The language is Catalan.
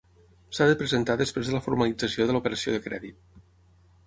S'ha de presentar després de la formalització de l'operació de crèdit.